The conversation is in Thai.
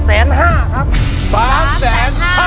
๓๕ล้านบาท